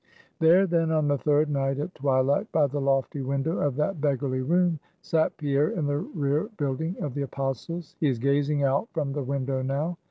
There, then, on the third night, at twilight, by the lofty window of that beggarly room, sat Pierre in the rear building of the Apostles'. He is gazing out from the window now.